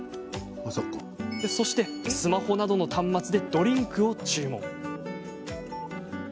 そして、スマホなどの端末でドリンクを注文。